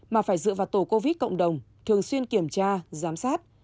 mà phải dựa vào tổ covid cộng đồng thường xuyên kiểm tra giám sát